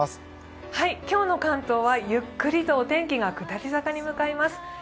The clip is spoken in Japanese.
今日の関東はゆっくりとお天気が下り坂に向かいます。